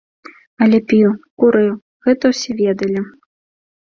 Але піў, курыў, гэта ўсе ведалі.